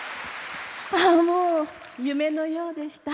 ああもう夢のようでした。